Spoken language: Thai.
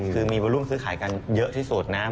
คือมีวารุ่มซื้อขายกันเยอะที่สุดนะ